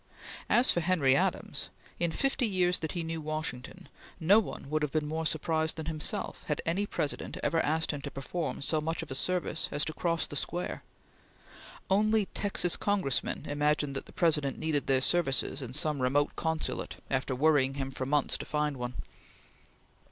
As for Henry Adams, in fifty years that he knew Washington, no one would have been more surprised than himself had any President ever asked him to perform so much of a service as to cross the square. Only Texan Congressmen imagined that the President needed their services in some remote consulate after worrying him for months to find one.